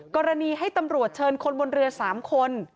กรณีให้ตำรวจเชิญคนบนเรือ๓คน